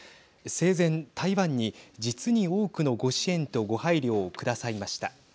生前、台湾に実に、多くのご支援とご配慮をくださいました。